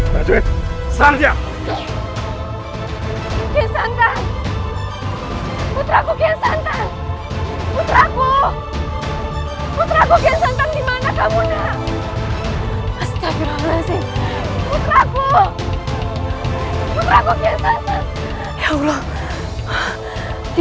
sebelum prajurit kemari